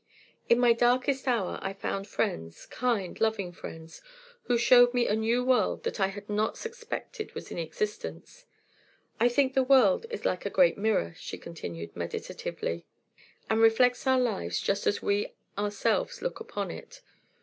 "In my darkest hour I found friends kind, loving friends who showed me a new world that I had not suspected was in existence. I think the world is like a great mirror," she continued, meditatively, "and reflects our lives just as we ourselves look upon it.